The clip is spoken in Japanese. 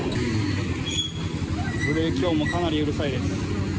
ブレーキ音もかなりうるさいです。